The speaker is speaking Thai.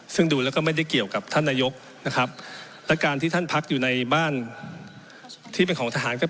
ซึ่งดูแล้วก็ไม่ได้เกี่ยวกับท่านนายกนะครับและการที่ท่านพักอยู่ในบ้านที่เป็นของทหารก็